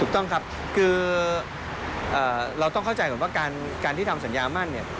ถูกต้องครับคือเราต้องเข้าใจก่อนว่าการที่ทำสัญญามั่นเนี่ย